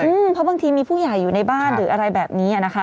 เพราะบางทีมีผู้ใหญ่อยู่ในบ้านหรืออะไรแบบนี้อ่ะนะคะ